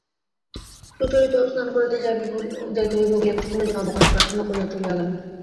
সুচরিতাও স্নান করিতে যাইতে হইবে বলিয়া কিছুক্ষণের জন্য অবকাশ প্রার্থনা করিয়া চলিয়া গেল।